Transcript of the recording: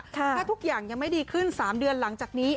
ถ้าทุกอย่างยังไม่ดีขึ้น๓เดือนหลังจากนี้